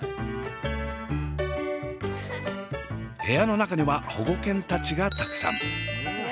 部屋の中には保護犬たちがたくさん。